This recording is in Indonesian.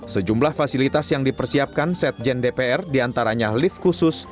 sejumlah fasilitas yang dipersiapkan set jendeper diantaranya lift khusus